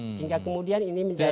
sehingga kemudian ini menjadi